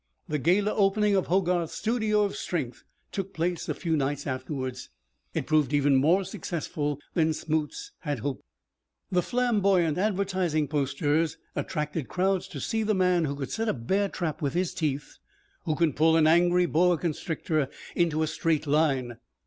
The gala opening of Hogarth's Studio of Strength took place a few nights afterwards. It proved even more successful than Smoots had hoped. The flamboyant advertising posters attracted crowds to see the man who could set a bear trap with his teeth, who could pull an angry boa constrictor into a straight line.